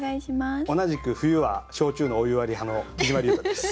同じく冬は焼酎のお湯割り派のきじまりゅうたです。